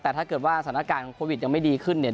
แต่ถ้าเกิดว่าสถานการณ์ของโควิดยังไม่ดีขึ้นเนี่ย